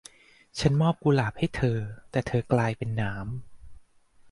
ฉับมอบดอกกุหลาบให้เธอ แต่เธอกลายเป็นหนาม